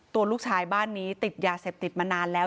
ตัวลูกชายบ้านนี้ติดยาเสพติดมานานแล้ว